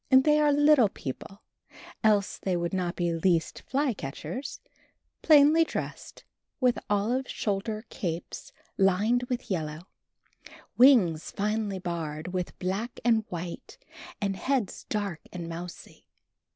They are little people, else they would not be least fly catchers, plainly dressed, with olive shoulder capes lined with yellow, wings finely barred with black and white and heads dark and mousy.